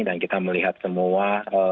dan kita melihat semua